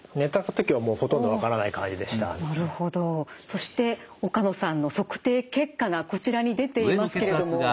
そして岡野さんの測定結果がこちらに出ていますけれども。